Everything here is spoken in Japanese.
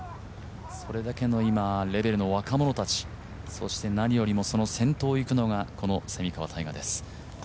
それだけの今、レベルの若者たちそして何よりも、その先頭を行くのが、この蝉川泰果です。